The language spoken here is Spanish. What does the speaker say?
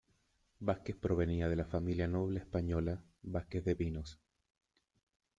Vásquez provenía de la familia noble española "Vásquez de Pinos".